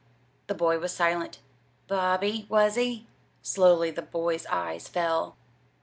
The boy was silent. "Bobby, was he?" Slowly the boy's eyes fell.